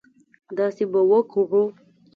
داسې به وکړو.